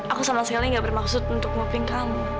aku sama sekali gak bermaksud untuk ngoping kamu